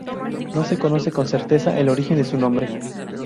No se conoce con certeza el origen de su nombre.